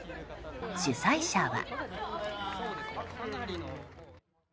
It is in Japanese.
主催者は。